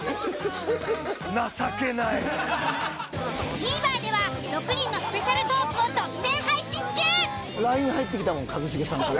ＴＶｅｒでは６人のスペシャルトークを独占配信中。